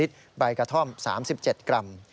ใบกระท่อม๓๗กรัม